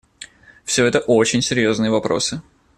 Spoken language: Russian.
Все это очень серьезные вопросы.